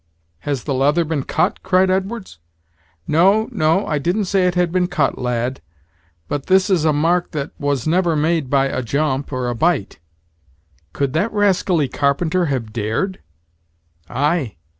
"Has the leather been cut?" cried Edwards. "No, no I didn't say it had been cut, lad; but this is a mark that was never made by a jump or a bite." "Could that rascally carpenter have dared!" "Ay!